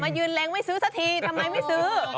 ยืนเล็งไม่ซื้อสักทีทำไมไม่ซื้อ